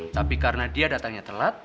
tapi karena dia datangnya telat